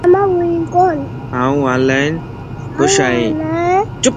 آن الائي خوش ائين